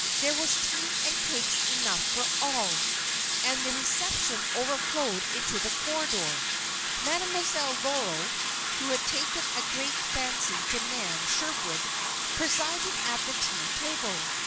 There was tea and cakes enough for all; and the "reception" overflowed into the corridor. Mademoiselle Loro (who had taken a great fancy to Nan Sherwood) presided at the tea table.